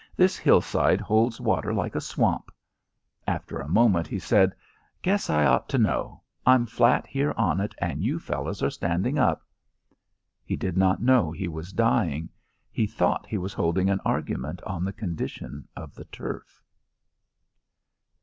"This hillside holds water like a swamp." After a moment he said, "Guess I ought to know. I'm flat here on it, and you fellers are standing up." He did not know he was dying. He thought he was holding an argument on the condition of the turf.